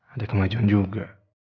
ada kemajuan juga